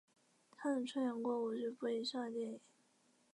他曾出演过五十部以上的电影。